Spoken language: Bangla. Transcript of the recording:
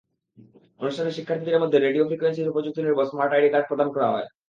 অনুষ্ঠানে শিক্ষার্থীদের মধ্যে রেডিও ফ্রিকোয়েন্সি প্রযুক্তিনির্ভর স্মার্ট আইডি কার্ড প্রদান করা হয়।